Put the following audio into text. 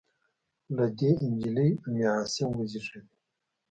له دې نجلۍ ام عاصم وزېږېده.